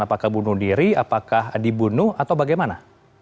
apakah bunuh diri apakah dibunuh atau bagaimana